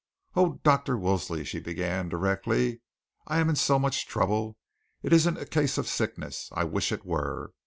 "Oh, Dr. Woolley," she began directly, "I am in so much trouble. It isn't a case of sickness. I wish it were.